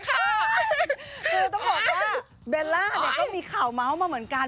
คือต้องบอกว่าเบลล่าเนี่ยก็มีข่าวเมาส์มาเหมือนกัน